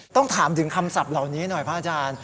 ต้องถามถึงคำศัพท์เหล่านี้หน่อยพระอาจารย์